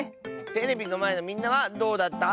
テレビのまえのみんなはどうだった？